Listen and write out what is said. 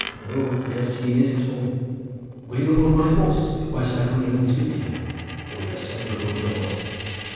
"O yes, he is at home." "Will you hold my horse whilst I go in and speak to him?" "O yes, I will hold your horse."